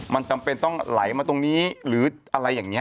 มันจำเป็นต้องไหลมาตรงนี้หรืออะไรอย่างนี้